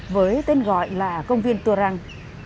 với tên gọi là công viên tù răng